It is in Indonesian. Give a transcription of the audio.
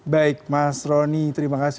baik mas roni terima kasih